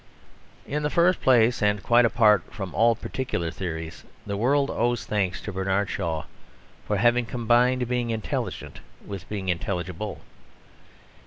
In the first place, and quite apart from all particular theories, the world owes thanks to Bernard Shaw for having combined being intelligent with being intelligible.